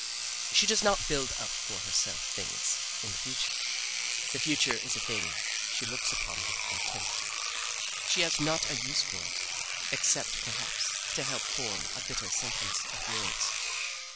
She does not build up for herself things in the future. The future is a thing she looks upon with contempt. She has not a use for it except perhaps to help form a bitter sentence of words.